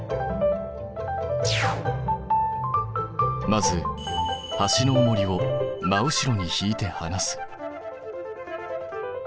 まずはしのおもりを真後ろにひいてはなす。